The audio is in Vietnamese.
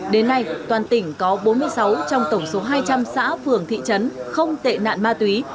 đến nay toàn tỉnh có bốn mươi sáu trong tổng số hai trăm linh xã phường thị trấn không tệ nạn ma túy